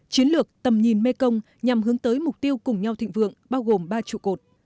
chiến lược tầm nhìn mekong nhằm hướng tới mục tiêu cùng nhau thịnh vượng bao gồm ba trụ cột